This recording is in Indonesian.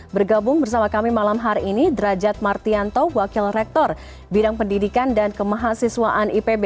bergabung bersama kami malam hari ini derajat martianto wakil rektor bidang pendidikan dan kemahasiswaan ipb